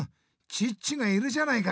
チッチがいるじゃないか！